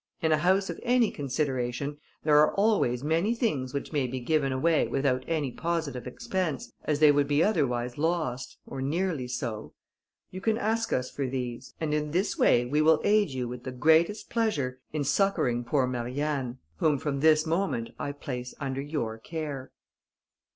In a house of any consideration there are always many things which may be given away without any positive expense, as they would be otherwise lost, or nearly so. You can ask us for these, and in this way, we will aid you, with the greatest pleasure, in succouring poor Marianne, whom from this moment I place under your care."